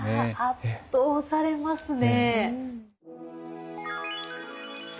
圧倒されますね。